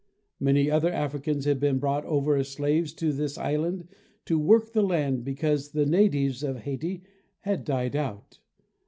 Many other Africans had been brought over as slaves to this island to work the land because the natives of Hayti had died out.